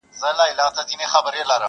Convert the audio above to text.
علم د ژوند رڼا ده.